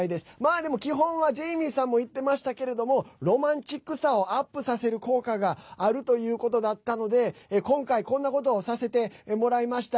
でも基本はジェイミーさんも言ってましたけれどもロマンチックさをアップさせる効果があるということだったので今回、こんなことをさせてもらいました。